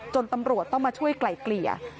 ตำรวจต้องมาช่วยไกล่เกลี่ย